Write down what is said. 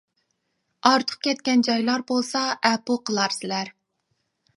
ئارتۇق كەتكەن جايلار بولسا ئەپۇ قىلارسىلەر.